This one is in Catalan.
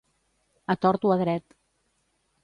A tort o a dret.